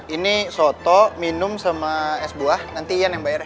ini soto minum sama es buah nanti ian yang bayar